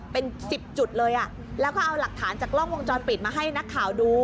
เป็นสิบจุดเลยอ่ะแล้วก็เอาหลักฐานจากกล้องวงจรปิดมาให้นักข่าวดู